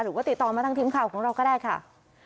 หรือว่าติดต่อมาทางทีมข่าวของเราก็ได้ค่ะ